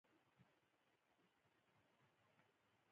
د ګاندي فلسفي پوهه د روح ځواک دی.